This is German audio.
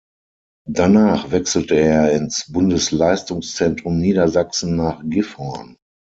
Danach wechselte er ins Bundesleistungszentrum Niedersachsen nach Gifhorn.